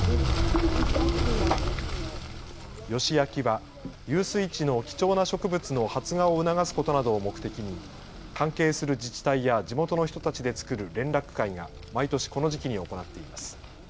ヨシ焼きは遊水地の貴重な植物の発芽を促すことなどを目的に関係する自治体や地元の人たちで作る連絡会が毎年この時期に行っています。